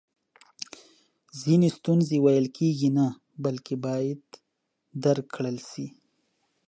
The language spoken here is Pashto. ځینې ستونزی ویل کیږي نه بلکې باید درک کړل سي!